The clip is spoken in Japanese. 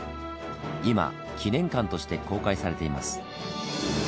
今記念館として公開されています。